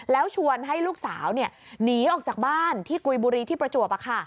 แล้วชวนให้ลูกสาวหนีออกจากบ้านที่กุยบุรีที่ประจวบ